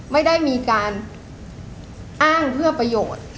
ไม่ได้มีการอ้างเพื่อประโยชน์